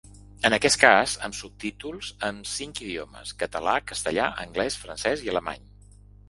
En aquest cas, amb subtítols en cinc idiomes: català, castellà, anglès, francès i alemany.